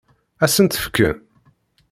Ad sen-tt-fken?